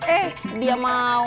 eh dia mau